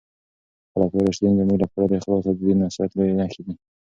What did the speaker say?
خلفای راشدین زموږ لپاره د اخلاص او د دین د نصرت لويې نښې دي.